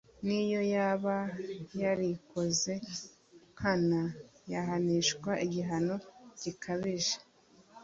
n’iyo yaba yarikoze nkana, yahanishwa igihano gikabije